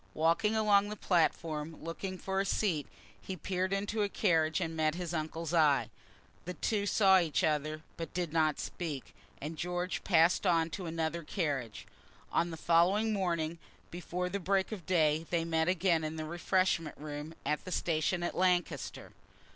Walking along the platform, looking for a seat, he peered into a carriage and met his uncle's eye. The two saw each other, but did not speak, and George passed on to another carriage. On the following morning, before the break of day, they met again in the refreshment room, at the station at Lancaster.